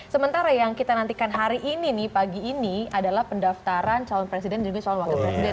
sementara yang kita nantikan hari ini nih pagi ini adalah pendaftaran calon presiden dan juga calon wakil presiden